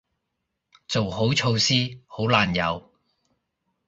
做好措施，好難有